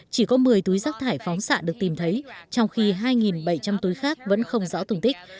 chỉ có một mươi túi rác thải phóng xạ được tìm thấy trong khi hai bảy trăm linh túi khác vẫn không rõ tùng tích